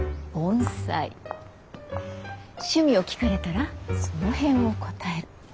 趣味を聞かれたらその辺を答える。